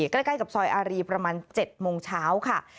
ใกล้กับซอยอารีประมาณ๗โมงเช้าค่ะ